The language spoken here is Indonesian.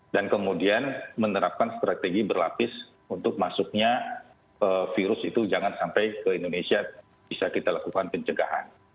dan kemudian menerapkan strategi berlapis untuk masuknya virus itu jangan sampai ke indonesia bisa kita lakukan pencegahan